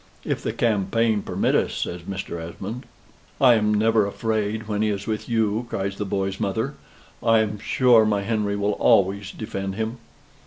"If the campaign permit us," says Mr. Esmond. "I am never afraid when he is with you," cries the boy's mother. "I am sure my Henry will always defend him."